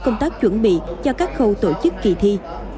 công tác chuẩn bị cho các khâu tổ chức kỳ thi